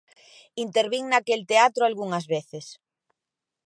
Intervín naquel teatro algunhas veces.